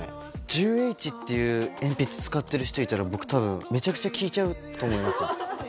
１０Ｈっていう鉛筆使ってる人いたら僕多分めちゃくちゃ聞いちゃうと思います。